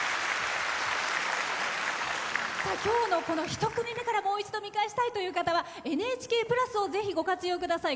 今日の１組目からもう一度、見返したいという方は「ＮＨＫプラス」をぜひ、ご活用ください。